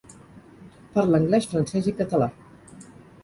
Parla anglès, francès i català.